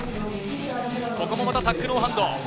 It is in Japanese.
ここもタックノーハンド。